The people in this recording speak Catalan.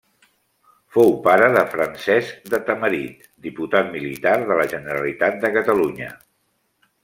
Fou pare de Francesc de Tamarit, diputat militar de la Generalitat de Catalunya.